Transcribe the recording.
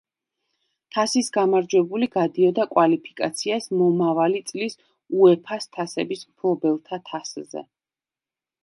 თასის გამარჯვებული გადიოდა კვალიფიკაციას მომავალი წლის უეფა-ს თასების მფლობელთა თასზე.